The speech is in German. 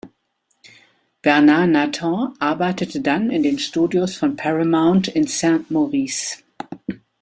Bernard Natan arbeitete dann in den Studios von Paramount in Saint-Maurice.